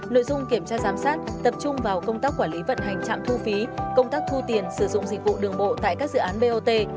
nội dung kiểm tra giám sát tập trung vào công tác quản lý vận hành trạm thu phí công tác thu tiền sử dụng dịch vụ đường bộ tại các dự án bot